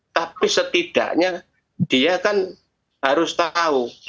tapi setidaknya dia kan harus tahu